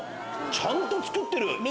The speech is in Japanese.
ちゃんと作ってる！